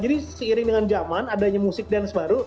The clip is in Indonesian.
jadi seiring dengan zaman adanya musik dan baru